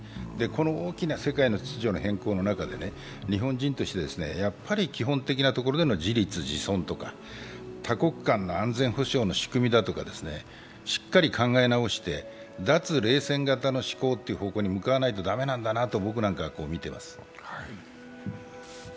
この大きな世界の秩序の変更の中で、日本人としてやっぱり基本的なところでの自立自尊とか多国間の安全保障の仕組みだとか、しっかり考え直して脱冷戦型の思考に向かわないと駄目だと僕なんかは見ています。